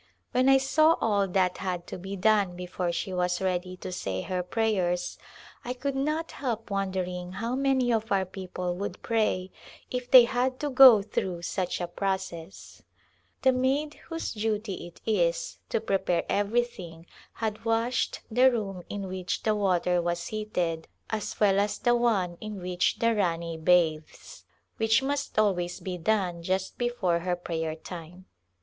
When I saw all that had to be done before she was ready to say her prayers I could not help wondering how many of our people would pray if they had to go through such a process. ['73] A Glimpse of India The maid whose duty it is to prepare everything had washed the room in which the water was heated as well as the one in which the Rani bathes — which must always be done just before her prayer time.